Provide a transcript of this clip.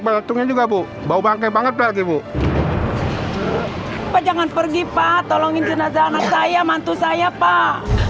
baletnya juga bu bau banget lagi bu jangan pergi pak tolongin jenazah anak saya mantu saya pak